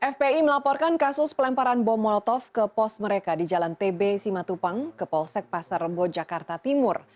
fpi melaporkan kasus pelemparan bom molotov ke pos mereka di jalan tb simatupang ke polsek pasar rembo jakarta timur